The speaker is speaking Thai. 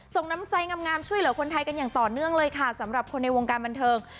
น้ำใจงามช่วยเหลือคนไทยกันอย่างต่อเนื่องเลยค่ะสำหรับคนในวงการบันเทิง